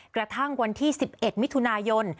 กระทั่งวันที่๑๑มิถุนายน